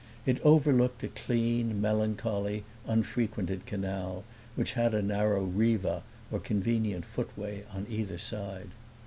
It overlooked a clean, melancholy, unfrequented canal, which had a narrow riva or convenient footway on either side.